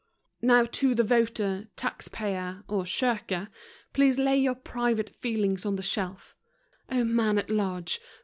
Now to the voter tax payer (or shirker), Please lay your private feelings on the shelf; O Man at large!